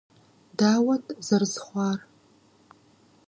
Дауэт зэрызхъуар?